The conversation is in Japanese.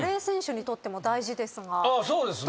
そうですね。